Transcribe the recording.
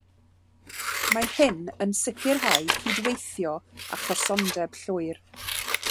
Mae hyn yn sicrhau cydweithio a chysondeb llwyr.